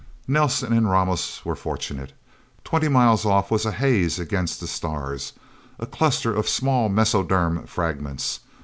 Nelsen and Ramos were fortunate. Twenty miles off was a haze against the stars a cluster of small mesoderm fragments.